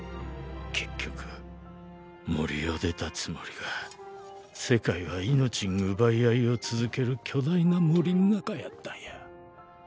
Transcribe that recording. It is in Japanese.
結局森を出たつもりが世界は命ん奪い合いを続ける巨大な森ん中やったんや。